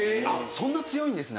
そんな強いんですね